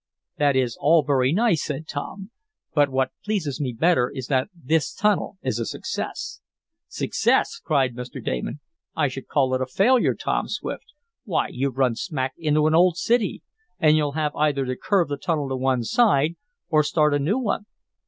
"That's all very nice," said Tom, "but what pleases me better is that this tunnel is a success." "Success!" cried Mr. Damon. "I should call it a failure, Tom Swift. Why, you've run smack into an old city, and you'll have either to curve the tunnel to one side, or start a new one."